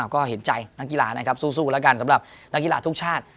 ก็เห็นใจนักกีฬานะครับสู้แล้วกันสำหรับนักกีฬาทุกชาติ